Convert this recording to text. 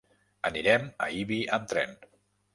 Anirem a Ibi amb tren.